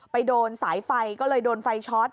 ไปโดนสายไฟก็เลยโดนไฟช็อต